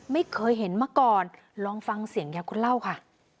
ไม่เคยเห็นมาก่อนลองฟังเสียงยายก็เล่าค่ะ